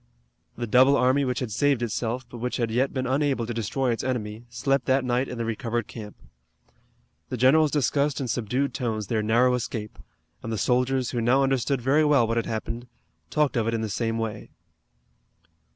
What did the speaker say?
The double army which had saved itself, but which had yet been unable to destroy its enemy, slept that night in the recovered camp. The generals discussed in subdued tones their narrow escape, and the soldiers, who now understood very well what had happened, talked of it in the same way.